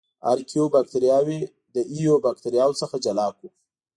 ارکیو باکتریاوې د ایو باکتریاوو څخه جلا کړو.